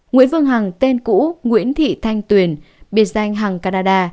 nguyễn phương hằng tên cũ nguyễn thị thanh tuyền biệt danh hằng canada